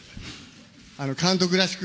監督らしく、